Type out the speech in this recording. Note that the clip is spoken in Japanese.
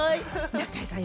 中居さん。